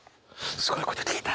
すごいこと聞いた。